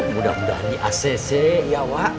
mudah mudahan di acc ya pak